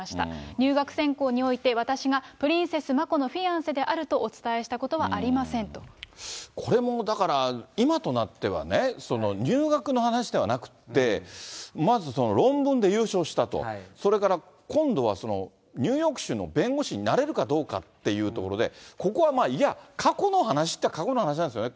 入学選考において、私がプリンセス・マコのフィアンセであるということをお伝えしたこれもだから、今となってはね、入学の話ではなくって、まず論文で優勝したと、それから、今度はニューヨーク州の弁護士になれるかどうかっていうところで、ここはまあ、いや、過去の話っていったら、過去の話なんですよね。